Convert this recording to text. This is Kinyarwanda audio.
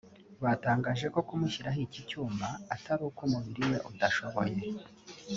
Batangaje ko kumushyiraho iki cyuma atari uko umubiri we udashoboye